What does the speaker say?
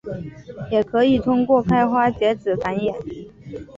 也可以通过开花结籽繁衍。